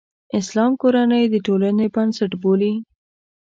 اسلام کورنۍ د ټولنې بنسټ بولي.